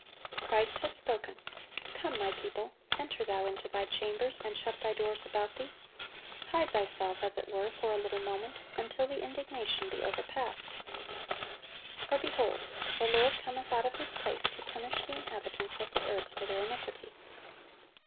(1089) Christ has spoken: "Come, My people, enter thou into thy chambers, and shut thy doors about thee: hide thyself as it were for a little moment, until the indignation be overpast. For, behold, the Lord cometh out of His place to punish the inhabitants of the earth for their iniquity."